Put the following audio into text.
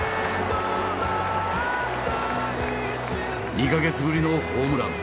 ２か月ぶりのホームラン。